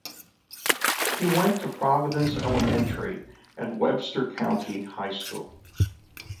He went to Providence Elementary and Webster County High School.